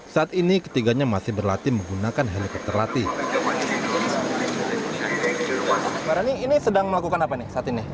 saat ini ketiganya masih berlatih menggunakan helikopter latih